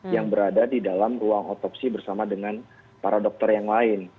yang berada di dalam ruang otopsi bersama dengan para dokter yang lain